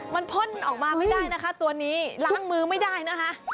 มันพ่นออกมาไม่ได้นะคะตัวนี้ล้างมือไม่ได้นะคะ